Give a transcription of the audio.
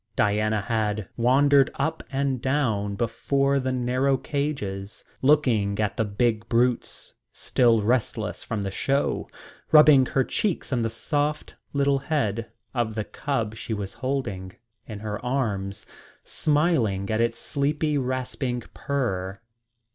Diana had wandered up and down before the narrow cages, looking at the big brutes still restless from the show, rubbing her cheek on the soft little round head of the cub she was holding in her arms, smiling at its sleepy rasping purr.